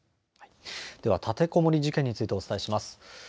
では立てこもり事件についてお伝えします。